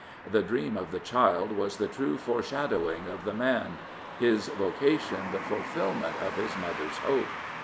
The dream of the child was the true foreshadov^ng of the man — his vocation the fulfilment of his mother's hope.